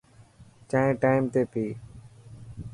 چائين ٽائم تي پي.